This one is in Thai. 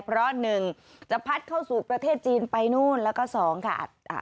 เพราะหนึ่งจะพัดเข้าสู่ประเทศจีนไปนู่นแล้วก็สองค่ะอ่า